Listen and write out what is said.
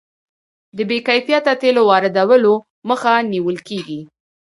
د بې کیفیته تیلو واردولو مخه نیول کیږي.